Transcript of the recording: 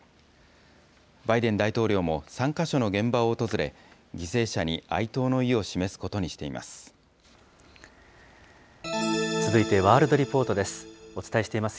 バイデン大統領も、３か所の現場を訪れ、犠牲者に哀悼の意を示すことにしています。